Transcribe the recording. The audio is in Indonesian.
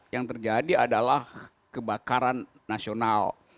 yang terjadi adalah kebakaran nasional